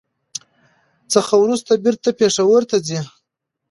څخه ورورسته بېرته پېښور ته ځي.